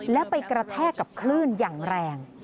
แล้วไปกระแทกกับคลื่นอย่างแรง